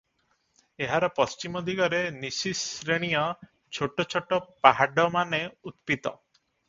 ଏହାର ପଶ୍ଚିମଦିଗରେ ନିସିସ୍ ଶ୍ରେଣୀୟ ଛୋଟ ଛୋଟ ପାହାଡମାନ ଉତ୍ପିତ